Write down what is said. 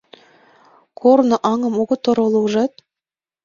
— Корно аҥым огыт ороло, ужат?